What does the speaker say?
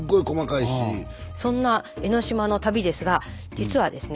そんな江の島の旅ですが実はですね